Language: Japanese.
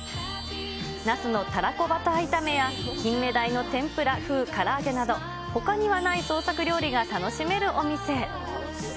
なすのタラコバター炒めや、キンメダイの天ぷら風から揚げなど、ほかにはない創作料理が楽しめるお店。